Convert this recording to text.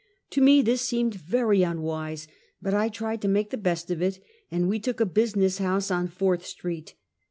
To me this seemed very unwise, but I tried to make the best of it, and we took a business house on Fourth street.